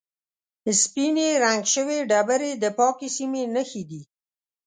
سپینې رنګ شوې ډبرې د پاکې سیمې نښې دي.